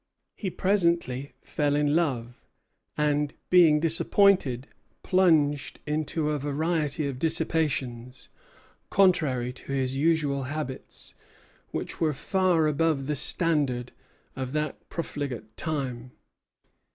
He presently fell in love; and being disappointed, plunged into a variety of dissipations, contrary to his usual habits, which were far above the standard of that profligate time.